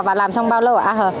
và làm xong bao lâu ạ a hờ